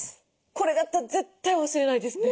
これだったら絶対忘れないですね。